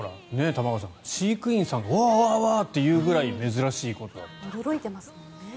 玉川さん、飼育員さんがわー、わーって言うぐらい驚いてますもんね。